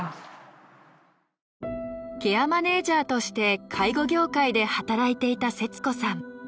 ケアマネージャーとして介護業界で働いていた摂子さん。